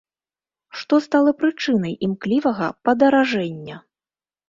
Што стала прычынай імклівага падаражэння?